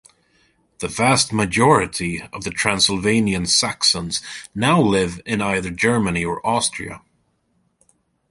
The vast majority of the Transylvanian Saxons now live in either Germany or Austria.